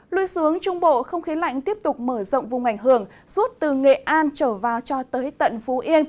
lui xuống trung bộ không khí lạnh tiếp tục mở rộng vùng ảnh hưởng suốt từ nghệ an trở vào cho tới tận phú yên